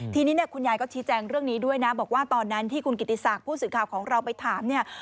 ทีนี้เนี่ยคุณยายก็ชี้แจงเรื่องนี้ด้วยนะบอกว่าตอนนั้นที่คุณกิติศักดิ์ผู้สื่อข่าวของเราไปถามเนี่ย